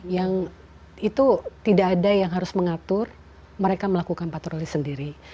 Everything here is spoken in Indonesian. yang itu tidak ada yang harus mengatur mereka melakukan patroli sendiri